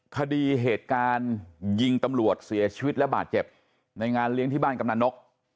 เหตุการณ์ยิงตำรวจเสียชีวิตและบาดเจ็บในงานเลี้ยงที่บ้านกำนันนก